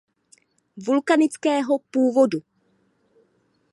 Vulkanického původu.